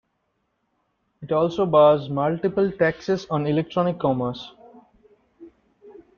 It also bars multiple taxes on electronic commerce.